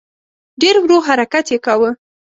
ډېر ورو حرکت یې کاوه.